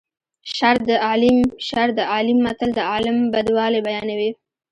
شر د عالیم شر د عالیم متل د عالم بدوالی بیانوي